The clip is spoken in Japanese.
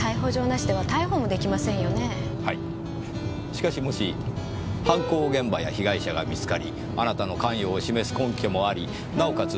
しかしもし犯行現場や被害者が見つかりあなたの関与を示す根拠もありなおかつ